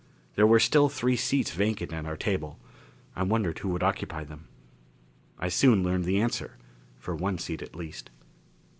There were still three seats vacant at our table; I wondered who would occupy them. I soon learned the answer for one seat at least.